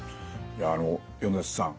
いやあの米瀬さん